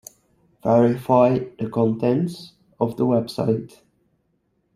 Verify the contents of the website.